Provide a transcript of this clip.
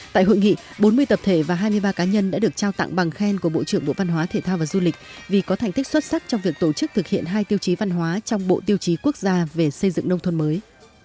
tại hội nghị bốn mươi tập thể và hai mươi ba cá nhân đã được trao tặng bằng khen của bộ trưởng bộ văn hóa thể thao và du lịch vì có thành tích xuất sắc trong việc tổ chức thực hiện hai tiêu chí văn hóa trong bộ tiêu chí quốc gia về xây dựng nông thôn mới